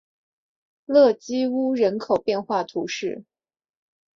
勒基乌人口变化图示